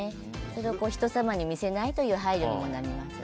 それを人様に見せないという配慮になります。